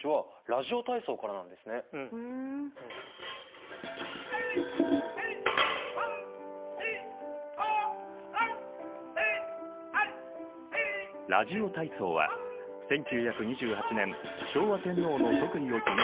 ラジオ体操は１９２８年昭和天皇の即位を記念して放送を開始した。